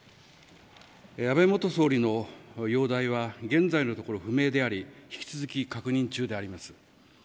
安倍元総理の容体は現在のところ不明であり引き続き確認中であります。